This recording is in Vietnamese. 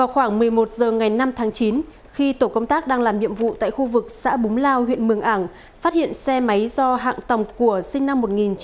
khoảng một mươi một h ngày năm tháng chín khi tổ công tác đang làm nhiệm vụ tại khu vực xã búng lao huyện mường ảng phát hiện xe máy do hạng tòng của sinh năm một nghìn chín trăm tám mươi